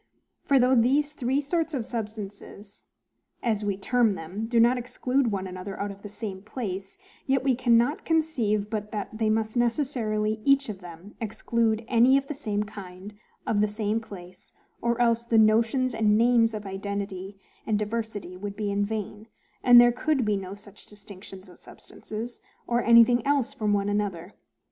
For, though these three sorts of substances, as we term them, do not exclude one another out of the same place, yet we cannot conceive but that they must necessarily each of them exclude any of the same kind out of the same place: or else the notions and names of identity and diversity would be in vain, and there could be no such distinctions of substances, or anything else one from another.